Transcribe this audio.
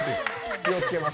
気をつけます。